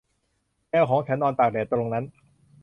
แมวของฉันนอนตากแดดตรงนั้น